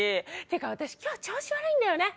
てか私今日調子悪いんだよね。